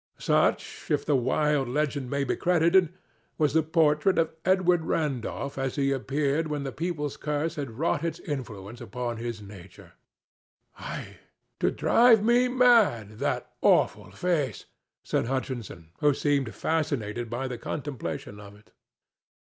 Such, if the wild legend may be credited, was the portrait of Edward Randolph as he appeared when a people's curse had wrought its influence upon his nature. "'Twould drive me mad, that awful face," said Hutchinson, who seemed fascinated by the contemplation of it.